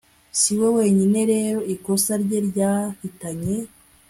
si we wenyine rero ikosa rye ryahitanye